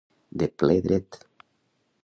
De ple dret.